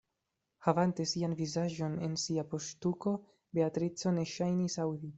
Havante sian vizaĝon en sia poŝtuko, Beatrico ne ŝajnis aŭdi.